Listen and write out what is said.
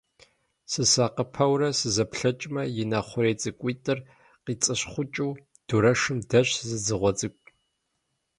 Сысакъыпэурэ сызэплъэкӀмэ, и нэ хъурей цӀыкӀуитӀыр къицӀыщхъукӀыу, дурэшым дэсщ зы дзыгъуэ цӀыкӀу.